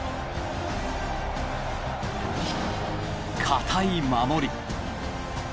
堅い守り。